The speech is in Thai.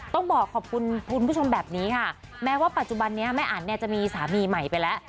ต้องบอกขอบคุณคุณผู้ชมแบบนี้ค่ะแม้ว่าปัจจุบันนี้แม่อันเนี่ยจะมีสามีใหม่ไปแล้ว